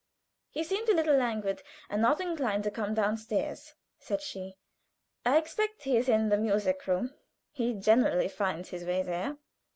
"He seemed a little languid and not inclined to come down stairs," said she. "I expect he is in the music room he generally finds his way there."